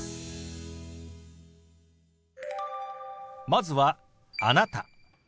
まずは「あなた」。